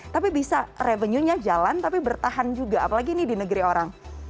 tapi bisa revenue nya jalan tapi bertahan juga apalagi ini di negeri orang